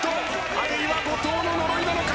あるいは後藤の呪いなのか。